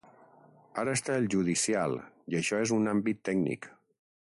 Ara està el “judicial” i això és un “àmbit tècnic”.